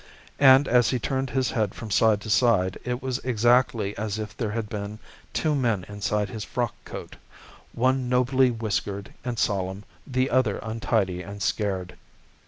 And as he turned his head from side to side it was exactly as if there had been two men inside his frock coat, one nobly whiskered and solemn, the other untidy and scared.